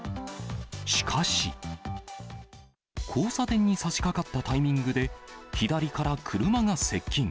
しかし、交差点にさしかかったタイミングで、左から車が接近。